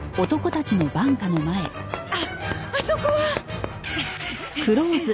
あっあそこは！